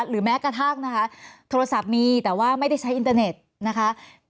แม้กระทั่งนะคะโทรศัพท์มีแต่ว่าไม่ได้ใช้อินเตอร์เน็ตนะคะ